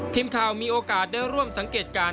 ทีมข่าวมีโอกาสได้ร่วมสังเกตการณ์